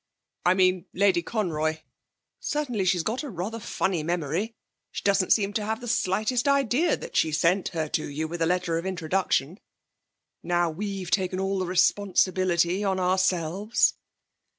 'I mean Lady Conroy. Certainly she's got rather a funny memory; she doesn't seem to have the slightest idea that she sent her to you with a letter of introduction. Now we've taken all the responsibility on ourselves.'